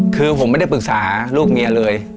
คือผมไม่ได้ปรึกษาลูกเมียเลย